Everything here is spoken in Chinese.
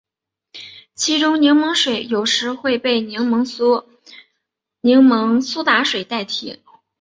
其中柠檬水有时会被柠檬苏打水代替。